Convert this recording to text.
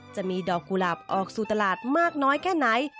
จะมีดอกกุหลาบออกสู่ตลาดมากน้อยแค่ไหน